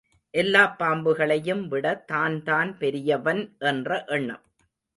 எல்லாப் பாம்புகளையும் விட தான்தான் பெரியவன் என்ற எண்ணம்.